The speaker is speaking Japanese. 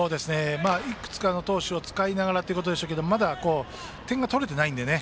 いくつかの投手を使いながらでしょうけどまだ点が取れていないのでね。